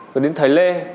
còn đến thời lê